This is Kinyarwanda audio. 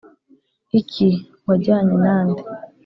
Iki wajyanye na nde